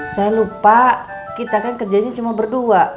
saya lupa kita kan kerjanya cuma berdua